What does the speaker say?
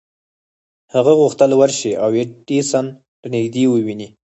هغه غوښتل ورشي او ایډېسن له نږدې وويني.